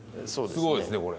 すごいですねこれ。